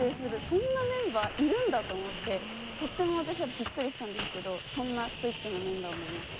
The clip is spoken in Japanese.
そんなメンバーいるんだと思ってとっても私はビックリしたんですけどそんなストイックなメンバーもいます。